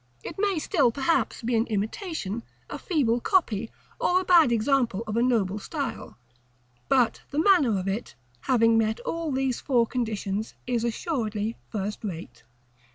It may still, perhaps, be an imitation, a feeble copy, or a bad example of a noble style; but the manner of it, having met all these four conditions, is assuredly first rate.